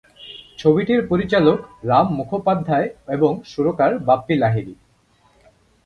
ছবিটির পরিচালক রাম মুখোপাধ্যায় এবং সুরকার বাপ্পী লাহিড়ী।